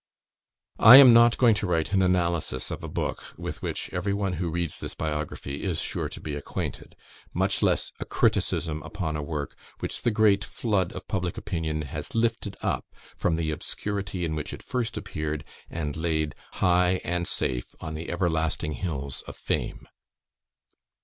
I am not going to write an analysis of a book with which every one who reads this biography is sure to be acquainted; much less a criticism upon a work, which the great flood of public opinion has lifted up from the obscurity in which it first appeared, and laid high and safe on the everlasting hills of fame.